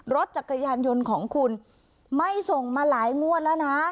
รถจักรยานยนต์ของคุณไม่ส่งมาหลายงวดแล้วนะ